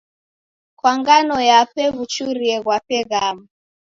Kwa ngano yape wachurie ghape ghamu.